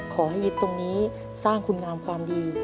ขอให้ยึดตรงนี้สร้างคุณงามความดี